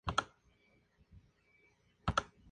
Se sitúa en la penillanura trujillana cacereña.